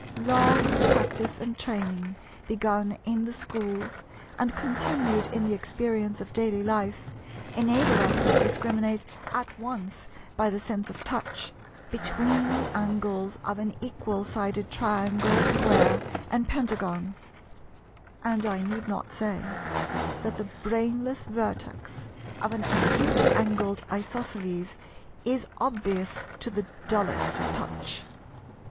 Long practice and training, begun in the schools and continued in the experience of daily life, enable us to discriminate at once by the sense of touch, between the angles of an equal sided Triangle, Square, and Pentagon; and I need not say that the brainless vertex of an acute angled Isosceles is obvious to the dullest touch.